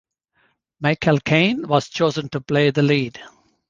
Michael Caine was chosen to play the lead.